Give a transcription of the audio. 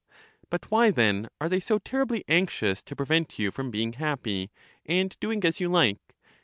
Eut why then are they so terribly anxious to pre vent you from being happy, and doing as you like